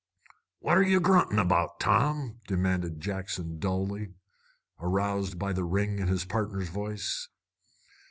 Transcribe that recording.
"What're ye gruntin' about, Tom?" demanded Jackson dully, aroused by the ring in his partner's voice.